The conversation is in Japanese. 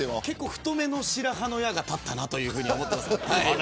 太めの白羽の矢が立ったというふうに思っています。